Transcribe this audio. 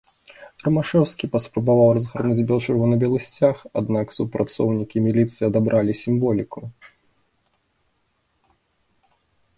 Рымашэўскі паспрабаваў разгарнуць бел-чырвона-белы сцяг, аднак супрацоўнікі міліцыі адабралі сімволіку.